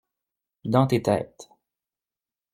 Dans tes têtes.